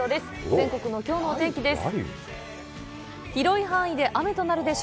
全国のきょうのお天気です。